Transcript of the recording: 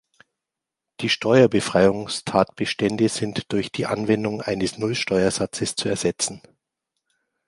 Die Steuerbefreiungstatbestände sind durch die Anwendung eines Nullsteuersatzes zu ersetzen.